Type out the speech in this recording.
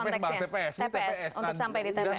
tps untuk sampai di tps